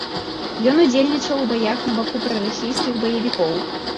Ён удзельнічаў у баях на баку прарасійскіх баевікоў.